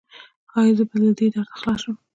ایا زه به له دې درده خلاص شم؟